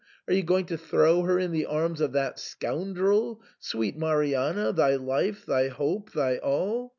Are you going to throw her in the arms of that scoundrel, — sweet Marianna, thy life, thy hope, thy all